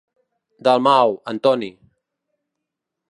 Dalmau, Antoni.